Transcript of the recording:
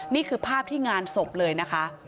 นี่คือภาพที่งานศพเลยนะคะ